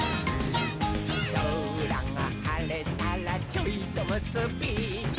「そらがはれたらちょいとむすび」